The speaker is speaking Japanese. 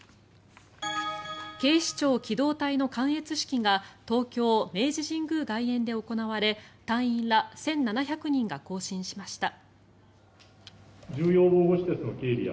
警視庁機動隊の観閲式が東京・明治神宮外苑で行われ隊員ら１７００人が行進しました。